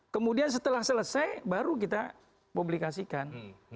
kemudian setelah selesai baru kita publikasikan